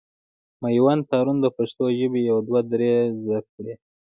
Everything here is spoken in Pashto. مېوند تارڼ د پښتو ژبي يو دوه درې زده کړي.